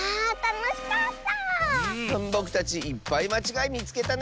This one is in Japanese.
ぼくたちいっぱいまちがいみつけたね！